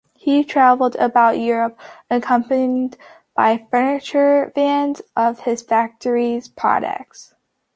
He traveled about Europe accompanied by furniture vans of his factory's products.